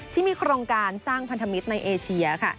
ที่มีโครงการสร้างพันธมิตรในเอเชียค่ะ